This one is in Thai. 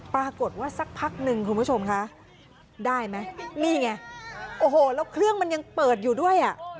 สักพักหนึ่งคุณผู้ชมคะได้ไหมนี่ไงโอ้โหแล้วเครื่องมันยังเปิดอยู่ด้วยอ่ะ